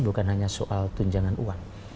bukan hanya soal tunjangan uang